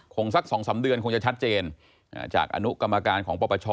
คงสักสองสามเดือนคงจะชัดเจนอ่าจากอนุกรรมการของปรปช